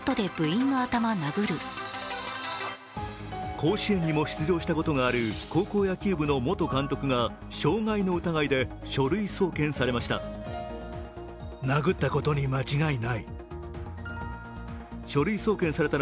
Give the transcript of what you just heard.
甲子園にも出場したことがある高校野球部の元監督が傷害の疑いで書類送検されました。